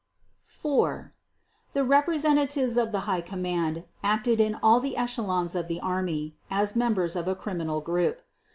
_The representatives of the High Command acted in all the echelons of the army, as members of a criminal group.